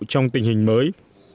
trong tình hình mới